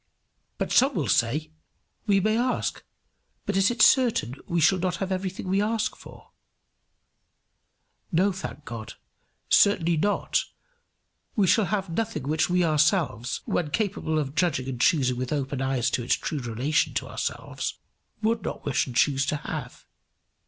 But some will say, "We may ask, but it is certain we shall not have everything we ask for." No, thank God, certainly not; we shall have nothing which we ourselves, when capable of judging and choosing with open eyes to its true relation to ourselves, would not wish and choose to have.